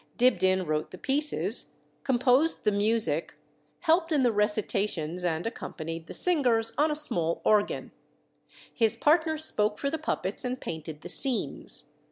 Dibdin wrote the pieces, composed the music, helped in the recitations, and accompanied the singers on a small organ. His partner spoke for the puppets and painted the scenes.